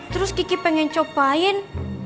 terus kiki pengen cobain